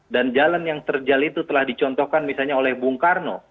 dan jalan yang terjal itu telah dicontohkan misalnya oleh bung karno